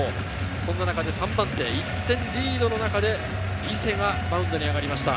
そんな中、３番手、１点リードの中で、伊勢がマウンドに上がりました。